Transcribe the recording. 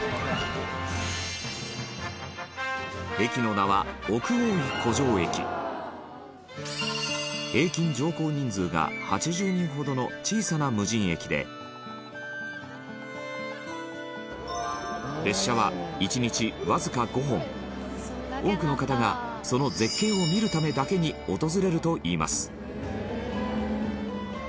駅の名は、奥大井湖上駅平均乗降人数が８０人ほどの小さな無人駅で列車は１日わずか５本多くの方がその絶景を見るためだけに訪れるといいます